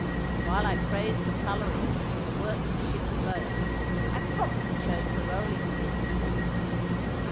While I praised the colouring, and the workmanship of both, I promptly chose the rolling pin.